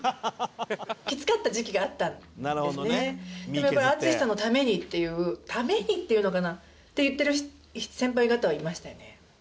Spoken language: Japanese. でもやっぱり淳さんのためにっていう「ために」っていうのかな？って言ってる先輩方はいましたよね。